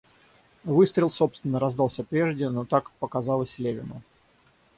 Выстрел, собственно, раздался прежде, но так показалось Левину.